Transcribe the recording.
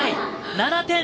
７点。